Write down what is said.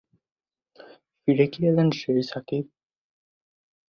ফিরে কি এলেন সেই সাকিব